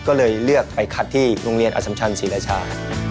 ก็เลยเลือกไปคัดที่โรงเรียนอสัมชันศรีราชา